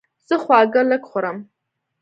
زه خواږه لږ خورم.